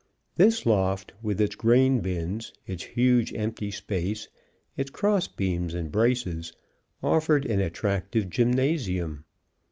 This loft, with its grain bins, its huge empty space, its cross beams and braces, offered an attractive gymnasium.